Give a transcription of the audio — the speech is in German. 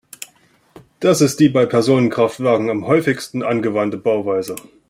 Das ist die bei Personenkraftwagen am häufigsten angewandte Bauweise.